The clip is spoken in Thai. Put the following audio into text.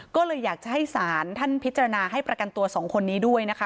ก็เลยอยากจะให้ศาลท่านพิจารณาให้ประกันตัวสองคนนี้ด้วยนะคะ